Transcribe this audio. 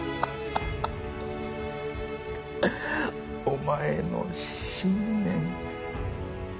お前の信念気合。